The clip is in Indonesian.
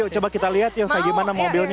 yuk coba kita lihat yuk kayak gimana mobilnya